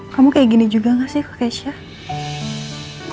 kamu kayak gini juga gak sih ke keisha